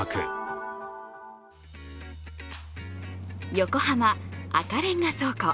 横浜赤レンガ倉庫。